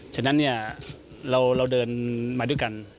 ฉะนั้นเนี่ยเราเดินมาด้วยกัน